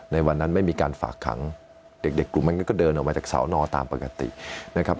ในวันนั้นไม่มีการฝากขังเด็กกลุ่มนั้นก็เดินออกมาจากสอนอตามปกตินะครับ